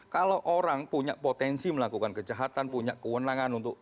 kalau orang punya potensi melakukan kejahatan punya kewenangan untuk